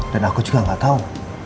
dan aku juga gak tau